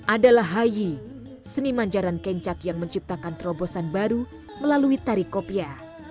adalah hayi seniman jaran kencak yang menciptakan terobosan baru melalui tari kopia